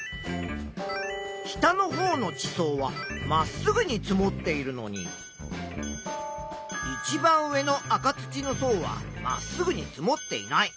下のほうの地層はまっすぐに積もっているのにいちばん上の赤土の層はまっすぐに積もっていない。